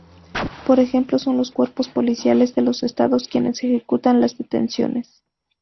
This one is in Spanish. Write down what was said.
Por ejemplo, son los cuerpos policiales de los estados quienes ejecutan las detenciones.